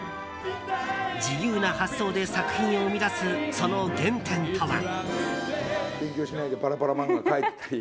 自由な発想で作品を生み出すその原点とは。